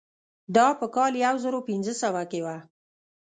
دا په کال یو زر پنځه سوه کې وه.